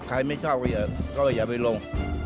ไม่ชอบก็อย่าไปลง